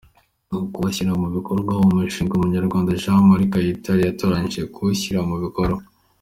Kubazashyira mu bikorwa uwo mushinga, umunyarwanda Jean Marie Kayitare yaratoranyijwe kuwushyira mu bikorwa.